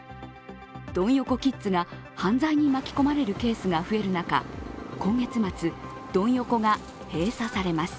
ドン横キッズが犯罪に巻き込まれるケースが増える中、今月末、ドン横が閉鎖されます。